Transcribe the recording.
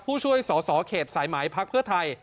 ผู้ช่วยสอสอเขตสายไหมพักเพื่อไทย